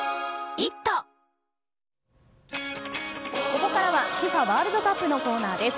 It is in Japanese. ここからはＦＩＦＡワールドカップのコーナーです。